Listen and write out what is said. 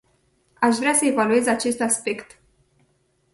Aș vrea să evaluez acest aspect.